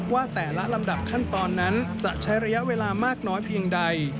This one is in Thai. ว่าแต่ละลำดับขั้นตอนนั้นจะใช้ระยะเวลามากน้อยเพียงใด